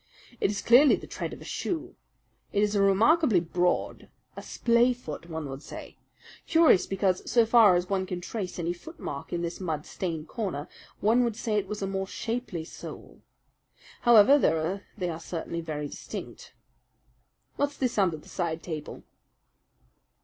"It is clearly the tread of a shoe. It is remarkably broad; a splay foot, one would say. Curious, because, so far as one can trace any footmark in this mud stained corner, one would say it was a more shapely sole. However, they are certainly very indistinct. What's this under the side table?"